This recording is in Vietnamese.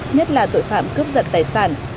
nhất là tội phạm cướp dật tài sản